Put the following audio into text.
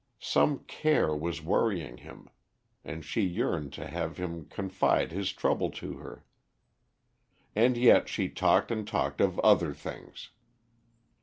Some care was worrying him, and she yearned to have him confide his trouble to her. And yet she talked and talked of other things.